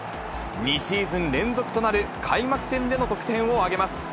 ２シーズン連続となる開幕戦での得点を挙げます。